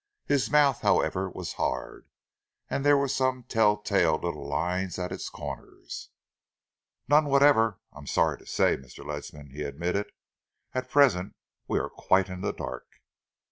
His mouth, however, was hard, and there were some tell tale little lines at its corners. "None whatever, I am sorry to say, Mr. Ledsam," he admitted. "At present we are quite in the dark."